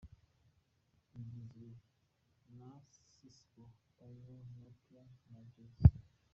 Rigizwe na Sisqo, Taio, Nokio na Jazz.